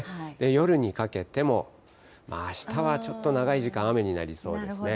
夜にかけても、あしたはちょっと長い時間、雨になりそうですね。